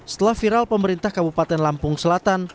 setelah viral pemerintah kabupaten lampung selatan